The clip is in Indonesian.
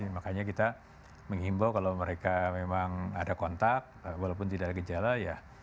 makanya kita menghimbau kalau mereka memang ada kontak walaupun tidak ada gejala ya